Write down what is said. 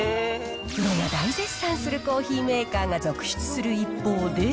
プロが大絶賛するコーヒーメーカーが続出する一方で。